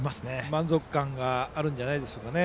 満足感があるんじゃないですかね。